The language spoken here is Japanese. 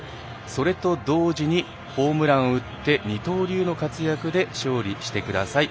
それと同時にホームランを打って二刀流の活躍で勝利してください。